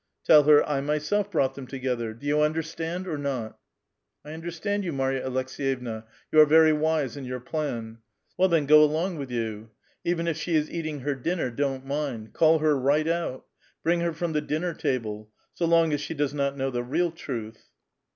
Tell her, ' I myself brought them together.' Do you understand or not? "" I understand you, Mary a Aleks6yevna. You are very wise in your plan." " Well then, go along with j'ou ! Even if she is eating her dinner, don't mind ; call her right out ! Bring her from the dinner table ! so long as she does not know the real truth."